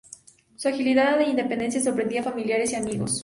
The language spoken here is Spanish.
Su agilidad e independencia sorprendía a sus familiares y amigos.